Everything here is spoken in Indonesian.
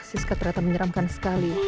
siska ternyata menyeramkan sekali